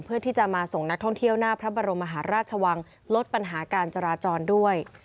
เพื่อที่จะมาส่งนักท่องเที่ยวหน้าพระบรมมหาราชวังลดปัญหาการจราจรด้วย